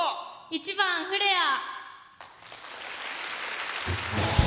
１番「フレア」。